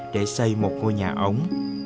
để xây một ngôi nhà ống